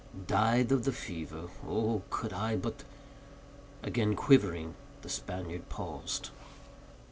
"Died of the fever. Oh, could I but—" Again quivering, the Spaniard paused.